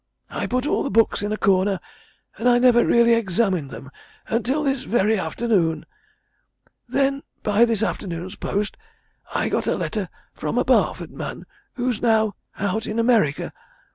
I put all the books in a corner and I never really examined them until this very afternoon. Then by this afternoon's post I got a letter from a Barford man who's now out in America.